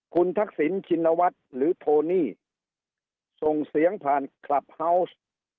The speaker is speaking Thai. คุณทักษิณชินวัฒน์หรือโทนี่ส่งเสียงผ่านคลับเฮาวส์